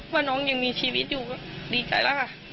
ว่าน้องยังมีชีวิตอยู่ก็ดีใจแล้วค่ะ